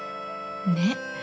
ねっ。